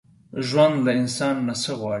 ژوند له انسان نه څه غواړي؟